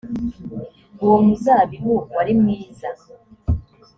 uwo muzabibu wari mwiza